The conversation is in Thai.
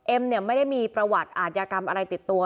เอ็มเนี่ยไม่ได้มีประวัติอาทยากรรมอะไรติดตัว